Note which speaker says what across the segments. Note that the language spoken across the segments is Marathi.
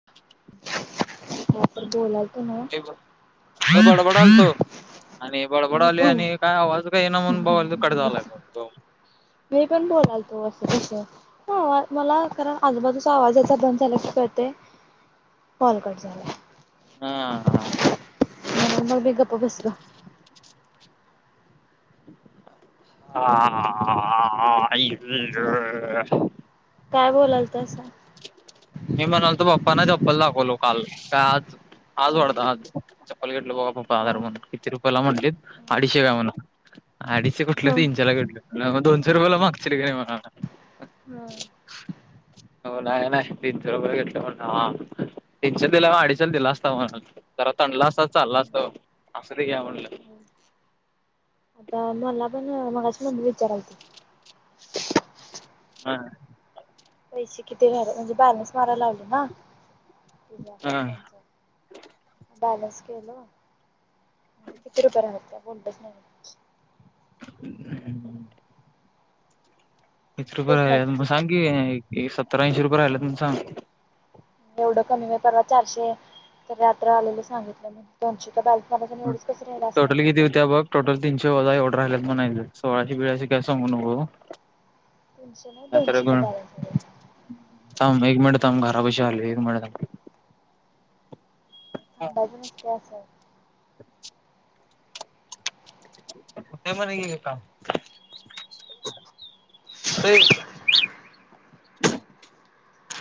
Speaker 1: [inaudible]
Speaker 2: तर बोला त ना
Speaker 1: बडबडाल तो आणि बडबड आली आणि काय आवाज का आहे ना म्हणून बघ कडे झाला
Speaker 2: मी पण बोलाल तू असं कसं हा मला कारण आजूबाजूचा आवाज याचा बंद झाला क कळते कॉलकट झाला
Speaker 1: हा
Speaker 2: मग मी गप्प बसल
Speaker 1: [inaudible] ह आईगं
Speaker 2: काय बोोललालतं सं
Speaker 1: मी म्हणाल तो बाप्पाना चप्पल दाखवलो काल काय आज आज
Speaker 2: हा
Speaker 1: वाढत आज चप्ल घेतटलं बोबा पप्पा आधार
Speaker 2: काय
Speaker 1: म्हण किती रुपयाला म्हटले अडीशे गाव म्हण अडीच
Speaker 2: हा
Speaker 1: कुठले इंला घडलं तुला म दोनशे रुपयाला मागच्या का नाही म
Speaker 2: हम्म
Speaker 1: हो ना ना तीनशे रुपये घेतल्या म्ह हा टीनशन दिल्या म अडीिशन दिला असता म्हून जरा तणडला असत चालला असतो असं ते घ्या म्हणटलं
Speaker 2: आता मला पण मगाशी म्हध विचारायती
Speaker 1: हा
Speaker 2: पैसे किती झाले म्हणजे बॅलन्स मारायला लावले ना त बॅलन्स केलं म्हंजे किती रुपया राहं त्यां कोणतंच नाहीं
Speaker 1: हं वीस रुपये
Speaker 2: सुचतच नाही
Speaker 1: राहिले मंग
Speaker 2: किती
Speaker 1: सांग
Speaker 2: सांगाव.
Speaker 1: की एक सत्तर ऐंशी रुपये राहिला ते मगं सांग
Speaker 2: एवढं कमी आहे पर्वा चारशे तरं यांत्रा आलेलं सांगितलं मं दोनशे कां बलं
Speaker 1: टोटलं किती त्यां बघंग टोटल तीनशे वंजा आवर्डर राहिल्यांत मं सोळाशे बिळाे कायं सांगून हो
Speaker 2: तीनशे नाही
Speaker 1: आं तरं
Speaker 2: दोनशेचा
Speaker 1: गं
Speaker 2: बॅलन्स आहे
Speaker 1: थांब एक मिनिटं थांब घरां पाशी आलं एक मिनिटं
Speaker 2: हं बझंजनस केंस आहे
Speaker 1: नेमांना गेलतां ते ठीक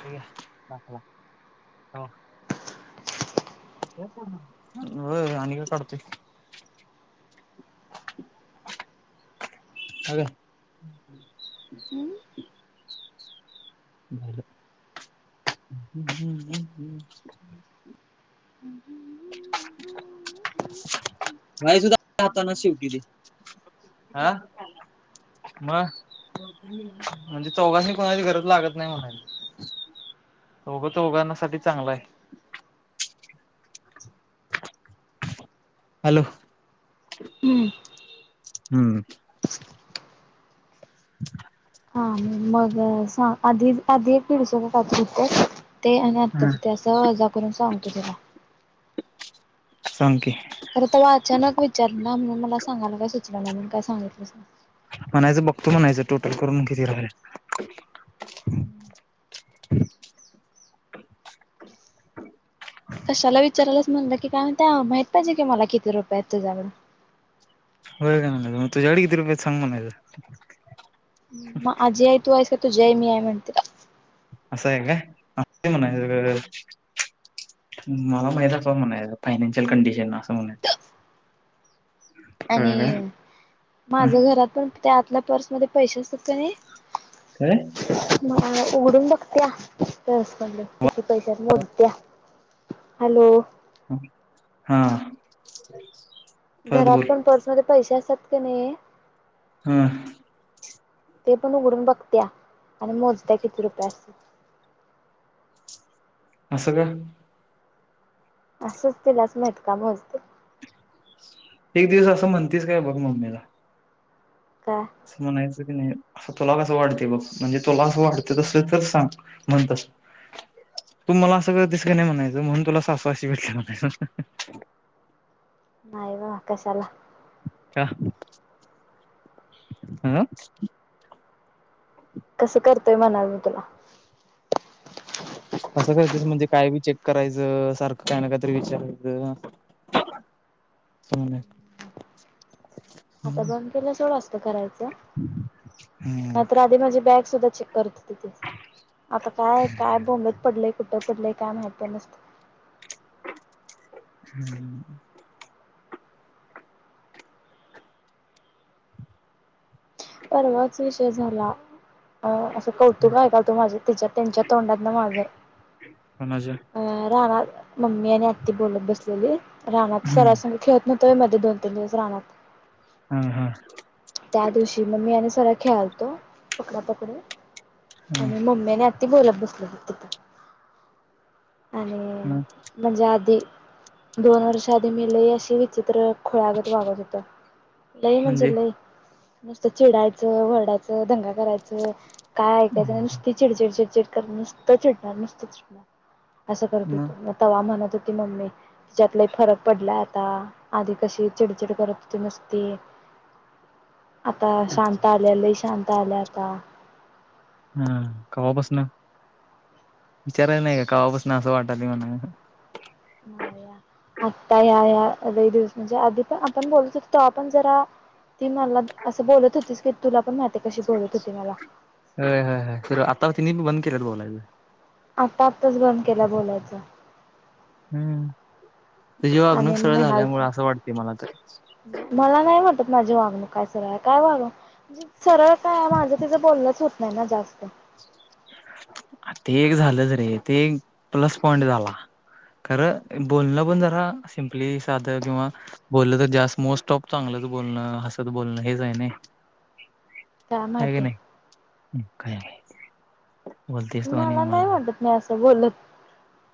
Speaker 1: आहे रां हो हो आणि कायं काढतोय अे हम्मं हं
Speaker 2: हम्म
Speaker 1: झालं हं हम्मं हं हं
Speaker 2: हं हं
Speaker 1: [unintelligible] भाई सुद्धां राहतांना शेवटी ते हां मंग म्हणजे चौघास कोणांची गरजं लागतं नाहीं म्हणांयला गं ते उगारण्यांसाठी चांगला आहे हॅलो
Speaker 2: हम्मं
Speaker 1: हम्मं
Speaker 2: हां मंग सांग आंधी आंधी एक पीड सळंत ते आणि
Speaker 1: हा
Speaker 2: आताचं ते असतं जां करूंन सांग तुं त्यांला
Speaker 1: सांग की
Speaker 2: खरं ते अचांनक विचारं नां म्हणूंन मलां सांगायला कायं सुचलं नाहीं कायं सांगितलं
Speaker 1: म्हणायचं बघतो म्हणायचं टोटलं करूंन किती रां
Speaker 2: हम्मं कश्याला विचाराला चं म्हटलं की कायं माहित पाहिजे की मलां किती रुपये आहेतं त्यांझ्याड
Speaker 1: बंग मं अडग तरं कीर्ती रूपायांत संग मनं
Speaker 2: मं अजय तुं यसय तो जयं मीय म्हणतिर
Speaker 1: असं आहे कायं असं म्हणांयला मलां माहिदा असं म्हणांय फायनान्शियल कंडिशन असं म्हंणे
Speaker 2: आणि
Speaker 1: हा,
Speaker 2: माझं घरांत पणं त्यां आंतल्या पर्समध्यें पैसे असतांत कां नाहीं
Speaker 1: कायं
Speaker 2: डोळे उघडूंन बघत्यांसकडले किती पैसे मोडत्यां हॅलो
Speaker 1: हां
Speaker 2: घरांत पणं पर्समध्यें पैसे असतांत की नाहीं
Speaker 1: हां
Speaker 2: ते पणं उघडूंन बघत्यां आणि मोजत्यां किती रुपये असतील
Speaker 1: असं कां
Speaker 2: असंच तिलांच लटकां म्हणते
Speaker 1: एक दिवस असं म्हणतीच काय बघ मम्मीला.
Speaker 2: का?
Speaker 1: असं म्हणायचं की नाही असं तुला कसं वाटते बघ म्हणजे तुला असं वाटतं तसं तर सांग म्हणतस तू मला सगळ दिसली नाही म्हणायचं म्हणून तुला सासू अशी भेटलं म्हणायच
Speaker 2: नाही बा कशाला?
Speaker 1: का अह
Speaker 2: कसं करतोय म्हणाल मी तुला
Speaker 1: अस करतेस म्हणजे काय बी चेक करायचं, सारखं काय ना कायतरी विचारायचं [unintelligible]
Speaker 2: आता बंद केला सोड असल करायचं
Speaker 1: हम्म
Speaker 2: नाही तर आधी माझी बॅग सुद्धा चेक करत होते. आता काय काय बोंबलत पडलंय कुठं पडलंय काय माहित नसतं
Speaker 1: हम्म.
Speaker 2: परवाच विषय झाला अह असं कौतुक ऐका तू माझे तिच्या त्यांच्या तोंडात ना माझं
Speaker 1: कोणाच्या
Speaker 2: अह रानात मम्मी आणि आत्ती बोलत बसलेली रानात सर
Speaker 1: हम्म
Speaker 2: संग खेत नवतोय मध्ये दोन तीन दिवस रानात
Speaker 1: हा हा.
Speaker 2: त्या दिवशी मम्मी आणि सरळ खेळालतो पकडा पकडी
Speaker 1: हा
Speaker 2: आणि मम्मीने आ त्ते बोलत बसले होते आणि
Speaker 1: मग
Speaker 2: म्हणजे आधी दोन वर्ष आधी मिले अशी विचित्र खुळ्यागत वागत होत लई म्हणजे लई नुसतं चिडायचं, वरडायचं, दंगा करायचं, काय ऐकायचं नाय नुसती चिडचिड चिडचिड कर नुसत चिडणार नुसत चिडणार असं करत होत मग तवा म्हणत होती मम्म त्याच्यात लय फरक पडलाय आता आधी कशी चिडचिड करत होती नुसती आता शांत आले लय शांत आले आता
Speaker 1: हम्म कवापासन विचारायल नाही का कवापासन असं वाटाल म्हणा
Speaker 2: हा या आत्ता या या लय दिवसांच्या आधी पण आपण बोलत होतो तो आपण जरा ती मला असं बोलत होतीस की तुला पण नाटक
Speaker 1: व्हय व्हय व्हय तर आता तिने बंद केलेत बोलायचं.
Speaker 2: आत्ता आत्ताच बंद केल बोलायच.
Speaker 1: हम्म तुझी वागणूक
Speaker 2: आणि
Speaker 1: सरळ
Speaker 2: म्हणाल
Speaker 1: झाल्यामुळे असं वाटते मला तरी
Speaker 2: मला नाही वाटत माझी वागणूक काय सारा काय वागणूक सरळ काय माझं तिचं बोललंच होत नाही ना जास्त.
Speaker 1: ते एक झालंच रे ते एक प्लस पॉइंट झाला. खरं बोलणं पण जरा सिंपली साधं किंवा बोललं तर जास्त मोस्ट ऑफ चांगलंच बोलणं, हसत बोलणं हेच आहे नाही
Speaker 2: काय
Speaker 1: आहे का
Speaker 2: माहिती
Speaker 1: नाही काय बोलतेस तू आणि
Speaker 2: मला नाही वाटत मी असं बोलत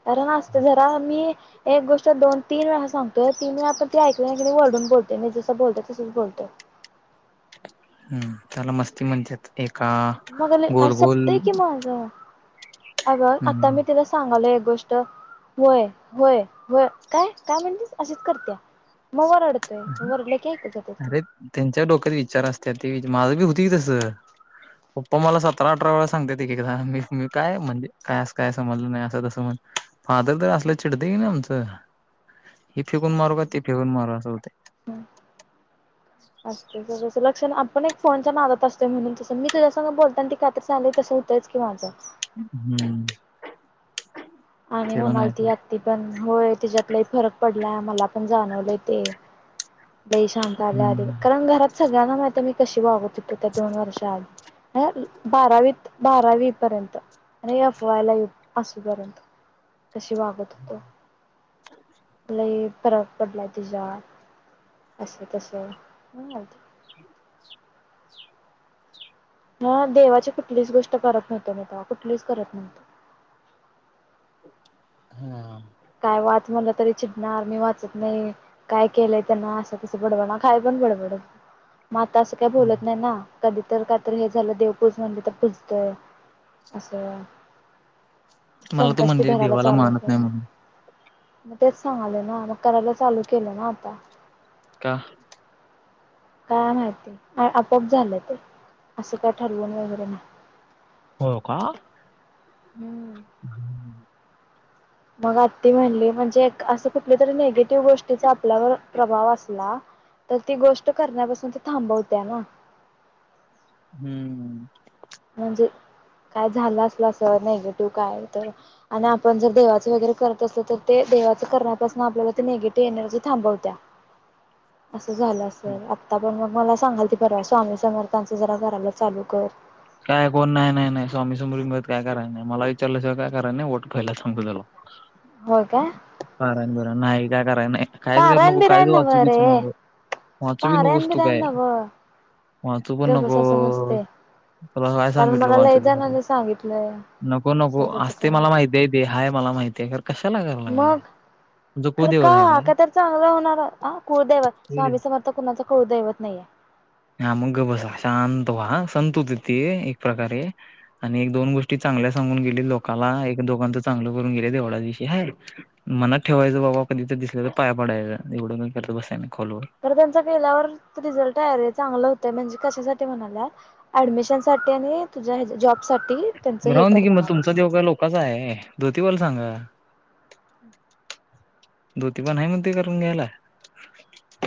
Speaker 2: कारण असत जरा मी एक गोष्ट दोन तीन वेळा सांगतोय तीन वेळा पण ती ऐकली नाय गेली वरडून बोलतो मी जसं बोलतात तसंच बोलतो
Speaker 1: हम्म त्याला मस्ती म्हणतात एका
Speaker 2: [unintelligible]
Speaker 1: गोल गोल
Speaker 2: सपतय की माझं अगं आता
Speaker 1: हम्म
Speaker 2: मी तिला सांगालो एक गोष्ट व्हय व्हय व्हय काय काय म्हणतेस अशीच करते मवर [unintelligible]
Speaker 1: अरे त्यांच्या डोक्यात विचार असत्यात, ते माझ बी होती तस. पप्पा मला सतरा अठरा वेळा सांगते एकदा मी मी काय म्हणजे काय अस काय समजलं नाही असं तसं म्हण. फादर तर असलं चिडते की नाही आमचं, हिते फेकून मारू का ते फेकून मारू असं होते.
Speaker 2: [unintelligible] पण आपण एक फोनच्या नादात असतो म्हणून तस मी तुझ्यास बोलता ती खहीत्री [unintelligible] तसं होतंय की माझं.
Speaker 1: हम्म
Speaker 2: आणि
Speaker 1: ते पण
Speaker 2: म्हणालती
Speaker 1: आहे
Speaker 2: आत्ती पण होय तिच्यात लय फरक पडलाय मला पण जाणवलय ते लय शांत आल्याआधी
Speaker 1: हम्म
Speaker 2: कारण घरात सगळ्यांना वाटत मी कशी बगत होतो त्या दोन वर्षअध [unintelligible] ह बारावीत बारावी पर्यंत आणि यफवायला असूपर्यंत, कशी वागत होतो... लय फरक पडलाय तिज्यात, असं तस [unintelligible] ह देवाची कुठलीच गोष्ट करत नव्हतो मी तवा कुठलीच करत नव्हतो.
Speaker 1: [unintelligible]
Speaker 2: काय वाच म्हणलं तरी चिडणार, मी वाचत नाही. काय केलंय त्यांना असं तसं बडबड खाय पण बडबड, मग आता असं काही बोलत नाही ना. कधी तर का तर हे झालं देवपूज म्हणजे तर पुूजतय असं.
Speaker 1: मला तो
Speaker 2: संकष्टी
Speaker 1: म्हणजे
Speaker 2: धराला
Speaker 1: देवाला
Speaker 2: चालू
Speaker 1: मानत नाही
Speaker 2: केलोय.
Speaker 1: म्हणून
Speaker 2: मग तेच सांगाले ना, मग करायला चालू केलं ना आता.
Speaker 1: का?
Speaker 2: काय माहिती, आपआप झालं ते, असं काय ठरवून वगैरे नाही.
Speaker 1: हो का..
Speaker 2: हम्म
Speaker 1: [unintelligible]
Speaker 2: मग आत्ति म्हणली म्हणजे असं कुठली तरी निगेटिव्ह गोष्टीचा आपल्यावर प्रभाव असला तर ती गोष्ट करण्यापासून ती थांबवत्या ना
Speaker 1: हम्म
Speaker 2: म्हणजे, काय झालं असल असं नेगेटिव्ह काय तर आणि आपण जर देवाच वगैरे करत असत तर, ते देवाच करण्यापासून आपल्याला ते निेगेटिव्ह एनर्जी थांबवत्या.
Speaker 1: [unintelligible]
Speaker 2: असं झालं असेल, आता पण मग मला सांगालती परवा स्वामी समर्थांचं जरा करायला चालू कर.
Speaker 1: काय कोण नाही नाही स्वामी बीमरंत काय करायच नाही, मला विचारल्याशिवाय काय नाही वट पहिलाच सांगतो तुला. [unintelligible]
Speaker 2: होय काय
Speaker 1: पारायण बीरायण नाही, का करायच नाही, कायच करू
Speaker 2: पारायण
Speaker 1: नको, कायच
Speaker 2: बिरायण
Speaker 1: वाचू
Speaker 2: नव्ह
Speaker 1: बिचू
Speaker 2: रे
Speaker 1: नको, वाचू बी नगोस
Speaker 2: पारायण
Speaker 1: तू
Speaker 2: बिरायण
Speaker 1: काय,
Speaker 2: नव्ह.
Speaker 1: वाचू पण
Speaker 2: गप बस
Speaker 1: नको.
Speaker 2: असं नसते
Speaker 1: तुला काय
Speaker 2: कारण
Speaker 1: सांगितलो,
Speaker 2: मला
Speaker 1: वाचू
Speaker 2: लय
Speaker 1: बी नको,
Speaker 2: जणांनी सांगितलंय
Speaker 1: नको नको
Speaker 2: असं त्याचं
Speaker 1: आस्तय
Speaker 2: काय
Speaker 1: मला माहिती आहे. ते हाय मला माहितीय ग. कशाला [unintelligible]
Speaker 2: मग,
Speaker 1: तुमचा
Speaker 2: खर
Speaker 1: कुलदेवता आहे
Speaker 2: का
Speaker 1: काय?
Speaker 2: का तर चांगलं होणार ह कुळदेव स्वामी
Speaker 1: कुलदैवत
Speaker 2: समर्थ कोणाचं कुळ दैवत नाहीेये
Speaker 1: हा मग गबसा, शांत वाहा, संत होतेते एक प्रकारे. आणि एक दोन गोष्टी चांगल्या सांगून गेले लोकांला, एक दोघांचं चांगलं करून गेले, एवढाच विषय हाय मनात ठेवायचं बाबा कधी तर दिसल्या तर पाया पडायच, एवडं करत बसायच नाही खॉलवर
Speaker 2: खर त्यांच केल्यावर रिझल्ट आहे रे, चांगलं होतंय म्हणजे कशासाठी म्हणाल्यात ॲडमिशन साठी आणि तुझ्या जॉब साठी, त्यांच हे कर म्हणाल्यात
Speaker 1: कुणाच आहे धोतीबाला सांगा [unintelligible] जोतीबा नाही म्हणतोय करून घ्यायला,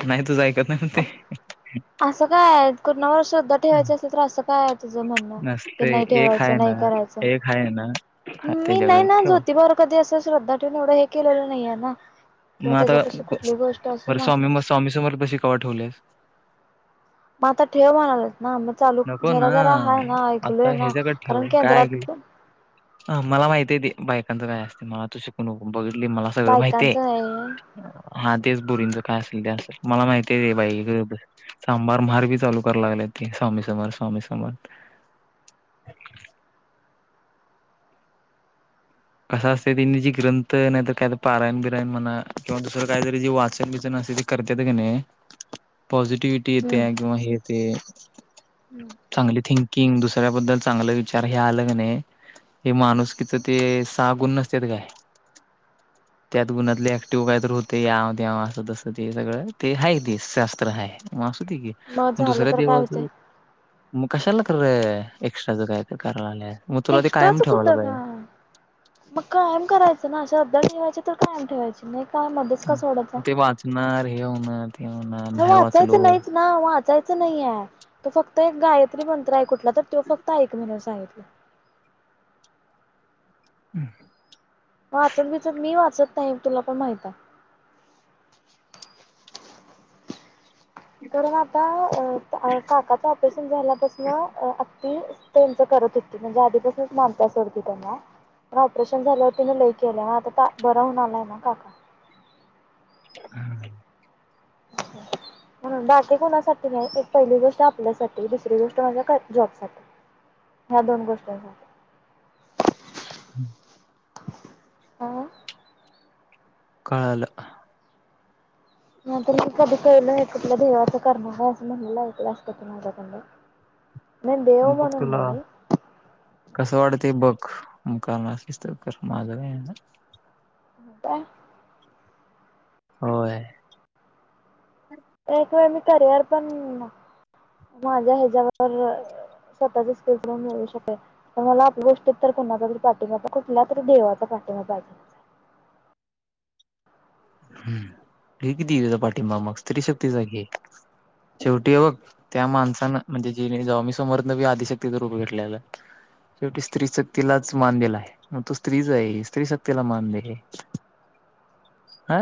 Speaker 1: नाही तुझ ऐकत नाही म्हणतोय.
Speaker 2: असं काय आहे कुणावर श्रृद्धा ठेवायचं असेल तर, असं काय आहे तुझं म्हणणं. ते नाही ठेवायचं, नाही करायचं.
Speaker 1: हाय ना. हा
Speaker 2: मी नाही
Speaker 1: त्याच्याकडे एक
Speaker 2: ना
Speaker 1: ठेवा
Speaker 2: जोतीबा वर कधी असं श्रद्धा ठेवून एवढं हे केलेले नाही हे ना. किंवा
Speaker 1: मग आता
Speaker 2: त्याज्यापाशी कुठली गोष्ट असो
Speaker 1: बरं
Speaker 2: ना -
Speaker 1: स्वामी मग स्वामी समर पशी कवा ठेवलस?
Speaker 2: मग आता ठेव म्हणालास ना मग चालू
Speaker 1: नको
Speaker 2: जरा
Speaker 1: ना
Speaker 2: जरा हाय ना ऐकल
Speaker 1: आता
Speaker 2: ना
Speaker 1: ह्याच्याकडे
Speaker 2: कारण केंद्रात-
Speaker 1: हा मला माहित आहे ते बायकांचं काय असतय, मला तू शिकवू नको बघितलोय मला सगळं माहित हे.
Speaker 2: बायकांचं आहे
Speaker 1: हा तेच पोरींचं काय असेल ते असेल मला माहिती ते बाई गप बस. चांभार माहार बी चालू कराय लागले ते स्वामी समथ समर्थ स्वामी समर्थ. कसं असते तिनी जी ग्रंथ नाही तर काय तर पारयण बिरायण म्हणा किंवा दुसरं काहीतरी जे वाचन बिचन असते ते. करतेते का नाय पॉझिटिव्हिटी
Speaker 2: हम्म
Speaker 1: येते किंवा हे ते. चांगली थिंकिंग दुसऱ्याबद्दल चांगलं विचार हे आलं क नाही हे माणुसकीच ते सहा गुण नसत्यात काय? त्यात गुणातले ऍक्टिव्ह काय तर होत, याव तेव असं तसं ते सगळं ते हाय ते शास्त्र हाय. मग असूदे की, मग
Speaker 2: झालं
Speaker 1: दुसऱ्या
Speaker 2: तर काय होते
Speaker 1: देवाचं मग कशाला कराय एक्स्ट्रा चा काय तर करायला लागलंय.
Speaker 2: एक्स्ट्रा चं कुठं काय, मग कायम करायचं ना अशा आर्ध ठेवायचे तर कशाला ठेवायच. हे काय मध्ये.
Speaker 1: ते वाचणार हे होणार. ते होणार नाही
Speaker 2: वाचायचं
Speaker 1: वाचलो
Speaker 2: नाहीच ना वाचायचं नाही हे. तो फक्त एक गायत्री मंत्र आहे कुठला तर, तो फक्त ऐकायवला सांगितलाय.
Speaker 1: हम् [inaudible]
Speaker 2: वाचत बीचत मी वाचत नाही, तुला पण माहित हाय. कारण आता अ अ काकाच ऑपरेशन झाल्या पासण अ आ ती त्यांच करत होती, म्हणजे आधीपासूनच मानता सोडती त्यांना. ऑपरेशन झाल्यावर तिने लय केलं हा ता आता बरं होणार नाही ना काका.
Speaker 1: हम [inaudible]
Speaker 2: ह [inaudible] म्हणून बाकीे कोणासाठी नाही, एक पहिली गोष्ट आपल्यासाठी दुसरी गोष्ट माझ्या कर जॉब साठी. ह्या दोन गोष्टी साठी.
Speaker 1: हम् [inaudible]
Speaker 2: हा
Speaker 1: कळालं.
Speaker 2: मी तरी कधी केलय कुठल्या देवाचा करणार हाय असं म्हणलं अस ऐकलंय हाय कधी माझ्या तोंडून.
Speaker 1: मुकला.
Speaker 2: नाही
Speaker 1: कसं वाटतं बघ मुक्यान एस्री कर माझं नाय हे ना.
Speaker 2: ताय.
Speaker 1: होय.
Speaker 2: एक वेळ मी करिअर पण माझ्या ह्याच्यावर अ स्वतःच्या स्किलवर मिळू शकेल. तर मला आपल्या गोष्टीत कुणाचा तरी पाठिंबा कुठल्यातरी देवाचा पाठिंबा पाहिजे.
Speaker 1: घे की देवीचा पाठिंबा मग स्री शक्तीचा घे. शेवटी ह बघ त्या माणसान म्हणजे जिन स्वामी समर्थ बी आदिशक्तीच रूप घेतलेलं. शेवटी स्त्री शक्तीलाच मान दिलाय, मग तू स्त्रीच आहे मग स्त्री शक्तीला मान दे. आ,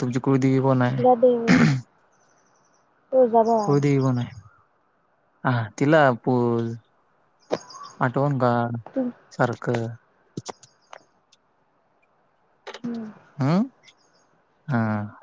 Speaker 1: तुमची कुळदेवी कोण आहे?
Speaker 2: अ
Speaker 1: कुळदेवी कोण आहे? हा तीला पूज. आठवण काढ सारखं.
Speaker 2: हम्म.
Speaker 1: हम् हा.